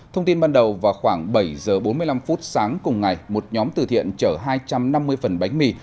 thông tin ban đầu vào khoảng bảy giờ bốn mươi năm phút sáng cùng ngày một nhóm từ thiện chở hai trăm năm mươi phần bánh mì